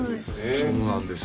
そうなんです